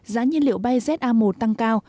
giá nhiên liệu bay za một tăng cao